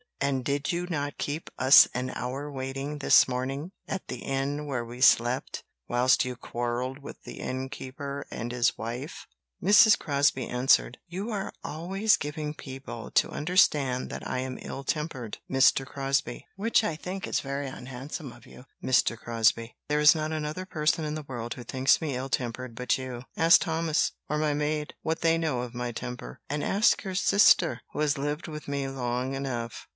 And did you not keep us an hour waiting this morning, at the inn where we slept, whilst you quarrelled with the innkeeper and his wife?" Mrs. Crosbie answered: "You are always giving people to understand that I am ill tempered, Mr. Crosbie; which I think is very unhandsome of you, Mr. Crosbie. There is not another person in the world who thinks me ill tempered but you. Ask Thomas, or my maid, what they know of my temper, and ask your sister, who has lived with me long enough."